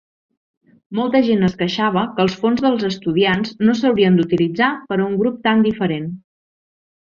Molta gent es queixava que els fons dels estudiants no s'haurien d'utilitzar per a un grup tan "diferent".